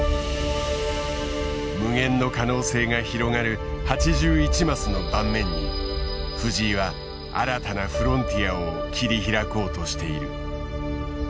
無限の可能性が広がる８１マスの盤面に藤井は新たなフロンティアを切り開こうとしている。